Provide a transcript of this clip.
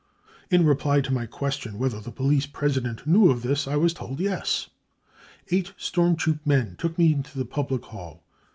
In reply to my question whether the police president knew of this, I was told £ Yes.' Eight storm troop men took me to the public hall.